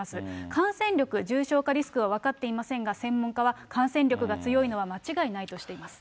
感染力、重症化リスクは分かっていませんが、専門家は、感染力が強いのは間違いないとしています。